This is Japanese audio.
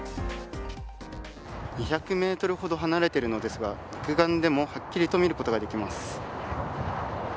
２００メートルほど離れているのですが肉眼でもはっきりと見ることができます。